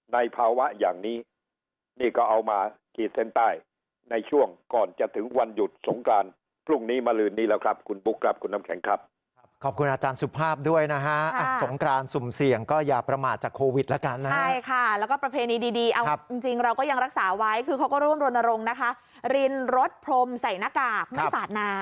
ในภาวะอย่างนี้นี่ก็เอามาขีดเส้นใต้ในช่วงก่อนจะถึงวันหยุดสงครานพรุ่งนี้มาลืนนี้แล้วครับคุณปุ๊กครับคุณน้ำแข็งครับ